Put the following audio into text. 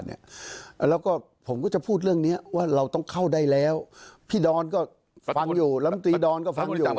แล้วก็ผมก็จะพูดเรื่องนี้ว่าเราต้องเข้าได้แล้วพี่ดอนก็ฟังอยู่ลำตีดอนก็ฟังอยู่